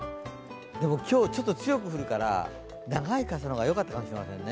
でも今日はちょっと強く降るから長い傘の方がよかったかもしれないですね。